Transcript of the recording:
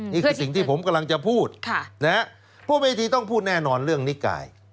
นี่คือสิ่งที่ผมกำลังจะพูดพูดเวทีต้องพูดแน่นอนเรื่องนิกาย